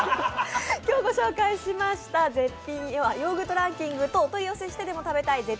今日ご紹介しましたヨーグルトランキングとお取り寄せしてでも食べたい